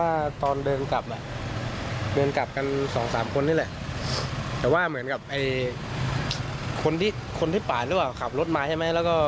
มีเรื่องกันก่อนแล้วก็เหมือนช่วงชุนละมุลหรือเปล่าที่โดนแทงแล้วผมไม่แน่ใจนะ